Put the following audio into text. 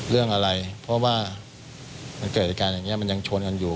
เรื่องอะไรเพราะว่ามันเกิดเหตุการณ์อย่างนี้มันยังชนกันอยู่